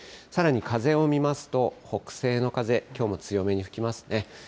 さらに風を見ますと、北西の風、きょうも強めに吹きますね。